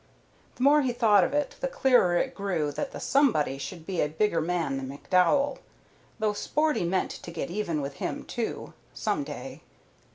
The more he thought of it the clearer it grew that the "somebody" should be a bigger man than McDowell, though Sporty meant to get even with him, too, some day.